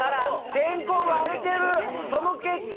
天候が荒れてるその結果。